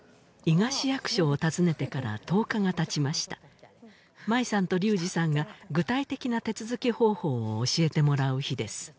伊賀市役所を訪ねてから１０日がたちました舞さんと龍志さんが具体的な手続き方法を教えてもらう日です